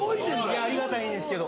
いやありがたいんですけど。